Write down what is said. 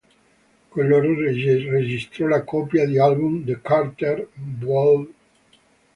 Con loro registrò la coppia di album "The Cartel Vol.